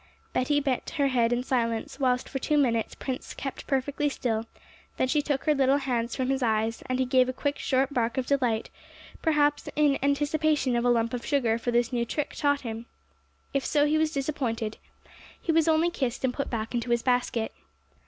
Betty bent her head in silence; whilst for two minutes Prince kept perfectly still; then she took her little hands from his eyes, and he gave a quick short bark of delight, perhaps in anticipation of a lump of sugar for this new trick taught him. If so, he was disappointed, he was only kissed and put back into his basket.